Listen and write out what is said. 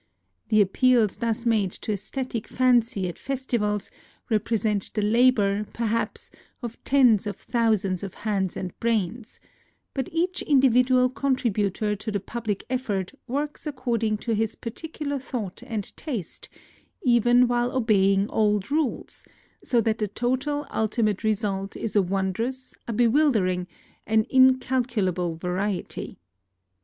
The ap peals thus made to aesthetic fancy at festi vals represent the labor, perhaps, of tens of thousands of hands and brains ; but each in dividual contributor to the public effort works according to his particular thought and taste, even while obeying old rules, so that the total ultimate result is a wondrous, a bewildering, an incalculable variety.